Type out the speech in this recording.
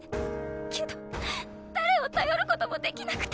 けど誰を頼ることもできなくて。